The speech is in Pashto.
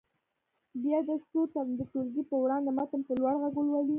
بیا دې څو تنه د ټولګي په وړاندې متن په لوړ غږ ولولي.